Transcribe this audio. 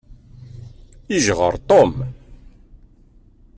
Ijexxeṛ Tom.